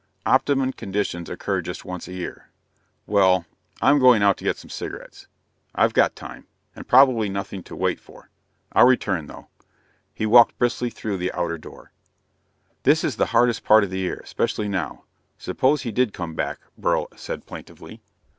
"Optimum conditions occur just once a year." "Well, I'm going out to get some cigarettes. I've got time ... and probably nothing to wait for. I'll return though." He walked briskly through the outer door. "This is the hardest part of the year, especially now. Suppose he did come back," Beryl said plaintively.